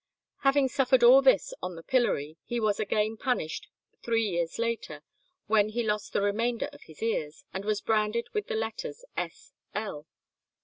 Having suffered all this on the pillory, he was again punished three years later, when he lost the remainder of his ears, and was branded with the letters S. L.